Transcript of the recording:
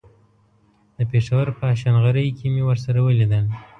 د پېښور په هشنغرۍ کې مې ورسره وليدل.